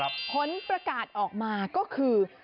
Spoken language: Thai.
ผลประกาศออกมาก็คือ